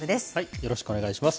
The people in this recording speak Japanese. よろしくお願いします。